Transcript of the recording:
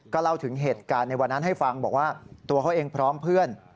เล่าถึงเหตุการณ์ในวันนั้นให้ฟังบอกว่าตัวเขาเองพร้อมเพื่อน